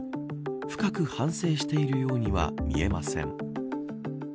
深く反省しているようには見えません。